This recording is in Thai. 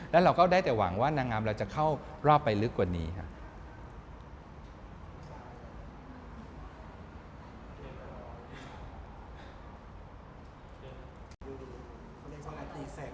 แล้วเราก็ได้แต่หวังว่านางงามเราจะเข้ารอบไปลึกกว่านี้ครับ